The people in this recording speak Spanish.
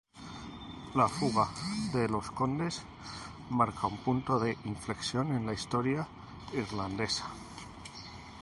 La Fuga de los Condes marca un punto de inflexión en la historia irlandesa.